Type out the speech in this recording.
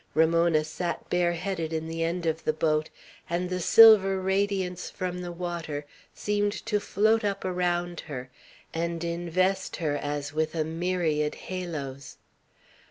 Ramona sat bareheaded in the end of the boat, and the silver radiance from the water seemed to float up around her, and invest her as with a myriad halos.